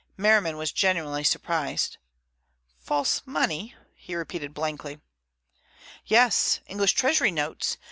Merriman was genuinely surprised. "False money?" he repeated blankly. "Yes; English Treasury notes.